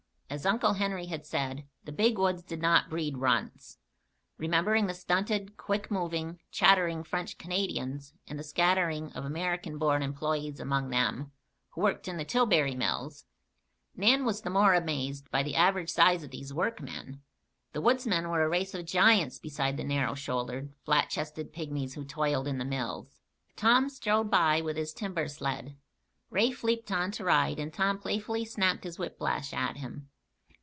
As Uncle Henry had said, the Big Woods did not breed runts. Remembering the stunted, quick moving, chattering French Canadians, and the scattering of American born employees among them, who worked in the Tillbury mills, Nan was the more amazed by the average size of these workmen. The woodsmen were a race of giants beside the narrow shouldered, flat chested pygmies who toiled in the mills. Tom strode by with his timber sled. Rafe leaped on to ride and Tom playfully snapped his whiplash at him.